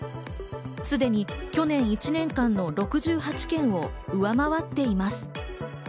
すでに去年１年間の６８件を上回っています。